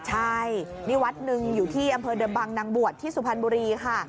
ใช่นี่วัดหนึ่งอยู่ที่อำเภอเดิมบางนางบวชที่สุพรรณบุรีค่ะ